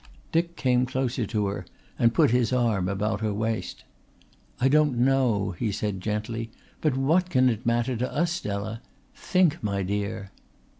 Dick came closer to her and put his arm about her waist. "I don't know," he said gently; "but what can it matter to us, Stella? Think, my dear!"